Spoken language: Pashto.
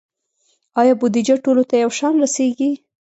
آیا بودیجه ټولو ته یو شان رسیږي؟